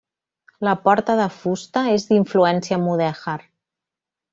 La porta, de fusta, és d'influència mudèjar.